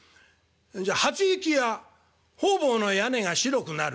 じゃ『初雪や方々の屋根が白くなる』」。